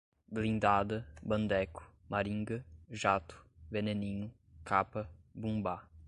blindada, bandeco, maringa, jato, veneninho, capa, bumbá